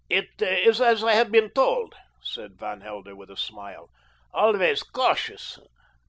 "It is as I have been told," said Van Helder with a smile. "Always cautious.